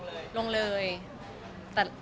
แฟนคลับของคุณไม่ควรเราอะไรไง